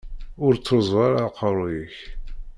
Ur ttruẓu ara aqerruy-ik.